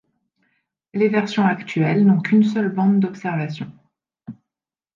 Les versions actuelles n'ont qu'une seule bande d'observation.